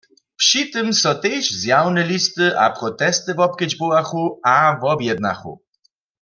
Při tym so tež zjawne listy a protesty wobkedźbowachu a wobjednachu.